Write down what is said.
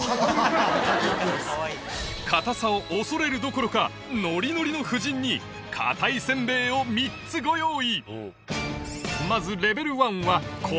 堅さを恐れるどころかノリノリの夫人に堅いせんべいを３つご用意